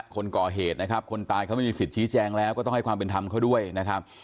คนก่อเหตุนะครับคนตายเขาไม่มีสิทธิแจงแล้วก็ต้องให้ความเป็นธรรมเขาด้วยนะครับ